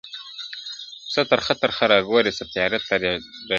o څه ترخه ترخه راګورې څه تیاره تیاره ږغېږې,